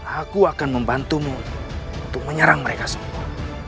aku akan membantumu untuk menyerang mereka semua